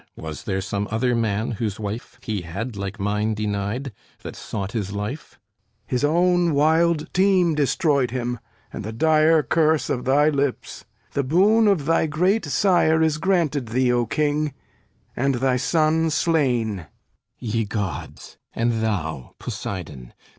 Was there some other man, whose wife He had like mine denied, that sought his life? HENCHMAN His own wild team destroyed him, and the dire Curse of thy lips. The boon of thy great Sire Is granted thee, O King, and thy son slain. THESEUS Ye Gods! And thou, Poseidon!